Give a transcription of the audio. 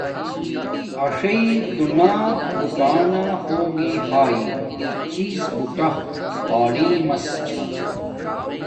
اݽݵ دونیا بوٹانہ ہوگی ہاݵ چیز بوٹا تعلیم مس چھا